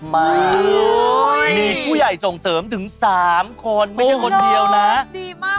มีผู้ใหญ่ส่งเสริมถึง๓คนไม่ใช่คนเดียวนะโอ้โฮดีมากเลย